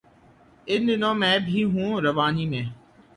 ان دنوں میں بھی ہوں روانی میں